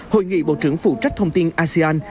hội nghị bộ trưởng phụ trách thông tin asean